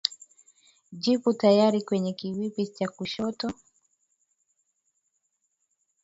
Jipu hatari kwenye kiwiko cha kushoto